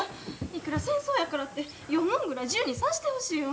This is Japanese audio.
いくら戦争やからって読むもんぐらい自由にさしてほしいわ。